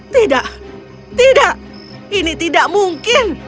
tidak tidak ini tidak mungkin